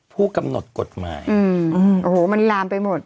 ผู้กำหนดกฎหมายโอ้โหมันลามไปหมด